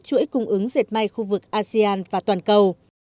chuỗi cung ứng diệt mạng khu vực asean và toàn cầu